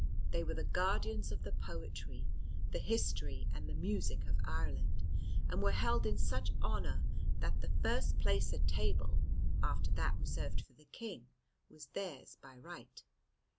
They were the guardians of the poetry, the history and the music of Ireland, and were held in such honour that the first place at table, after that reserved for the King, was theirs by right.